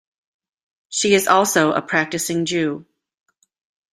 She is also a practicing Jew.